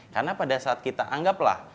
karena pada saat kita anggaplah